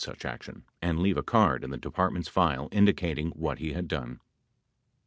76 such action, and leave a card in the Department's file indicating what he had done."